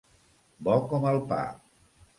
Bo com el pa.